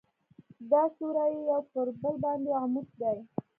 دا سوري یو پر بل باندې عمود دي.